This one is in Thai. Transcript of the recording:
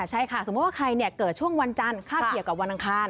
ใช่ค่ะสมมุติว่าใครเกิดช่วงวันจันทร์ค่าเกี่ยวกับวันอังคาร